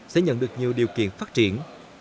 sẽ nhận được nhiều điều kiện phát triển